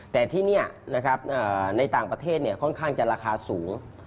แต่ที่นี่นะครับในต่างประเทศค่อนข้างจะราคาสูง